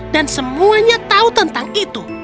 dan semuanya tahu tentang itu